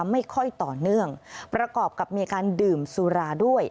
ไม่ค่อยต่อเนื่องประกอบกับมีอาการดื่มสุราด้วย